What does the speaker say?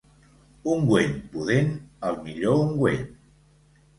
Ungüent pudent, el millor ungüent.